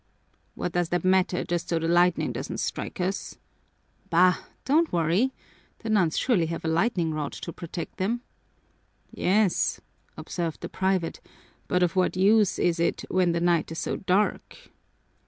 "What does that matter just so the lightning doesn't strike us?" "Bah, don't worry! The nuns surely have a lightningrod to protect them." "Yes," observed the private, "but of what use is it when the night is so dark?"